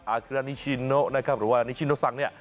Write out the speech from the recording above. อาคารานิชิโนนะครับหรือว่าอาคารานิชิโนซังเนี่ย